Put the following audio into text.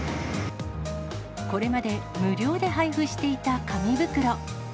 これまで無料で配布していた紙袋。